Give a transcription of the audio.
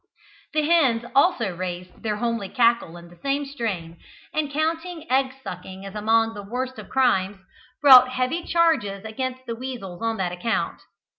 The hens also raised their homely cackle in the same strain, and counting egg sucking as among the worst of crimes, brought heavy charges against the weasels on that account.